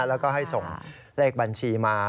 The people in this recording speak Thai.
แล้วก็ให้ส่งเลขบัญชีมา